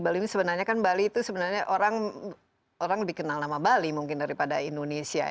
bali itu sebenarnya orang lebih kenal nama bali mungkin daripada indonesia